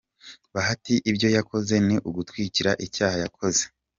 Bahati ibyo yakoze ni ugutwikira icyaha yakoze.